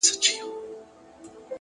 زړورتیا د نامعلوم پر لور قدم دی,